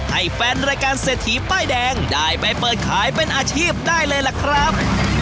ให้แฟนรายการเศรษฐีป้ายแดงได้ไปเปิดขายเป็นอาชีพได้เลยล่ะครับ